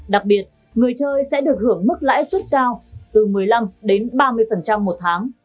đặc biệt người chơi sẽ được hưởng mức lãi suất cao từ một mươi năm đến ba mươi một tháng